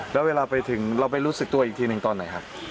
แล้วเวลาไปถึงเราไปรู้สึกตัวอีกทีหนึ่งตอนไหนครับ